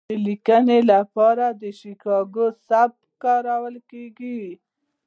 د لیکنې لپاره د شیکاګو سبک کارول کیږي.